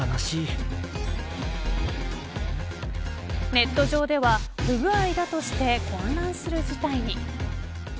ネット上では不具合だとして混乱する事態に。